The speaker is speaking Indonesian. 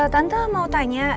tante mau tanya